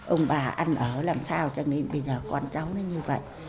ông bà ăn ở làm sao cho nên bây giờ con cháu nó như vậy